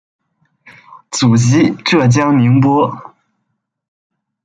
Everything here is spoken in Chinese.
祖籍浙江宁波。